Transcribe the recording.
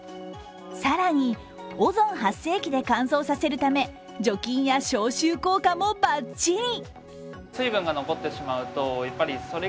更に、オゾン発生器で乾燥させるため除菌や消臭効果もバッチリ！